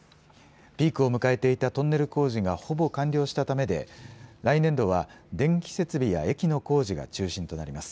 ピークを迎えていたトンネル工事がほぼ完了したためで来年度は電気設備や駅の工事が中心となります。